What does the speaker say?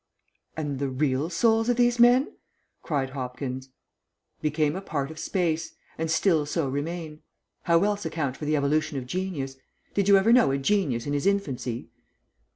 "And the real souls of these men?" cried Hopkins. "Became a part of space, and still so remain. How else account for the evolution of genius? Did you ever know a genius in his infancy?"